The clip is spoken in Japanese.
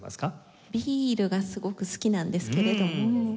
ビールがすごく好きなんですけれども。